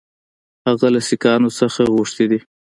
هغه له سیکهانو څخه غوښتي دي.